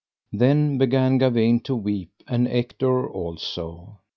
Then began Gawaine to weep, and Ector also.